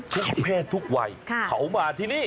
ทุกเพศทุกวัยเขามาที่นี่